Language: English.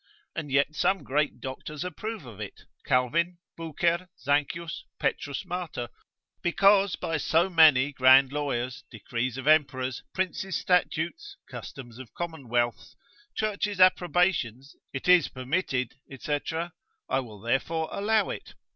And yet some great doctors approve of it, Calvin, Bucer, Zanchius, P. Martyr, because by so many grand lawyers, decrees of emperors, princes' statutes, customs of commonwealths, churches' approbations it is permitted, &c. I will therefore allow it.